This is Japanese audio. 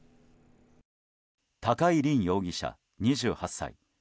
高井凜容疑者、２８歳。